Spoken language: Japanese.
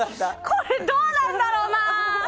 これ、どうなんだろう。